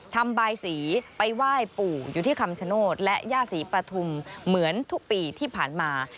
ทำบายสีไปไหว้ปู่อยู่ที่คำชโนธและย่าศรีปฐุมเหมือนทุกปีที่ผ่านมา